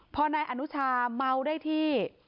พอนายอนุชาเมาได้ที่